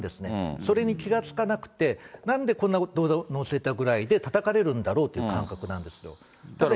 それに気がつかなくって、なんでこんな動画を載せたぐらいでたたかれるんだろうという感覚なんですよ。